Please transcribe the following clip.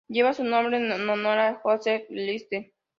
Lleva su nombre en honor a Joseph Lister.